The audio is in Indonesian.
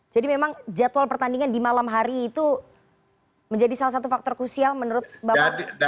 memang jadwal pertandingan di malam hari itu menjadi salah satu faktor krusial menurut bapak